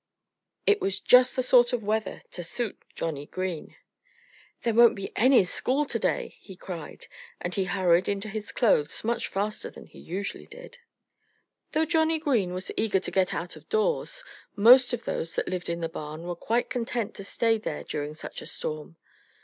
It was just the sort of weather to suit Johnnie Green. "There won't be any school to day!" he cried. And he hurried into his clothes much faster than he usually did. [Illustration: Twinkleheels Talks to the Oxen. (Page 64)] Though Johnnie Green was eager to get out of doors, most of those that lived in the barn were quite content to stay there during such a storm.